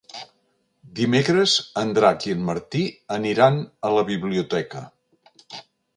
Dimecres en Drac i en Martí aniran a la biblioteca.